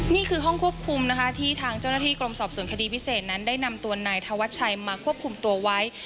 นี่คือห้องควบคุมนะคะที่ทางเจ้าหน้าที่กรมสอบส่วนคดีพิเศษนั้นได้นำตัวนายธวัชชัยมาควบคุมตัวไว้